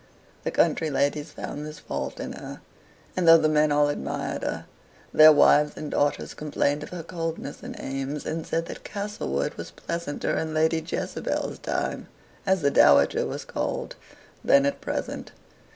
The country ladies found this fault in her; and though the men all admired her, their wives and daughters complained of her coldness and aims, and said that Castlewood was pleasanter in Lady Jezebel's time (as the dowager was called) than at present.